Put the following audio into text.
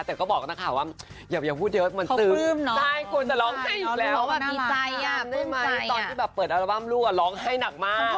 เดอะก็บอกว่าอย่าพูดเยอะมันซึมควรจะร้องไข้อีกแล้วตอนที่เปิดอัลบั้มลูกร้องไข้หนักมาก